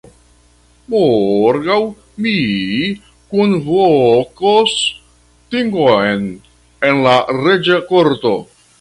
Morgaŭ mi kunvokos tingon en la reĝa korto.